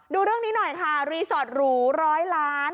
ดูเรื่องนี้หน่อยค่ะรีสอร์ตหรูร้อยล้าน